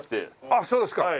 あっそうですか。